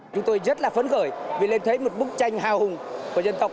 chúng tôi rất là phấn khởi vì lên thấy một bức tranh hào hùng của dân tộc